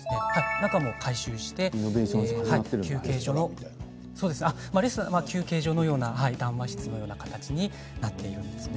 中も改修して休憩所の休憩所のような談話室のような形になっているんです。